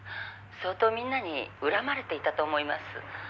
「相当みんなに恨まれていたと思います」